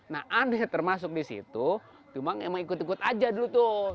nah anies termasuk di situ cuma emang ikut ikut aja dulu tuh